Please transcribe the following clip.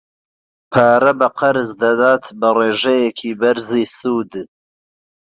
پارە بە قەرز دەدات بە ڕێژەیەکی بەرزی سوود.